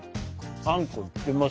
あんこいってます。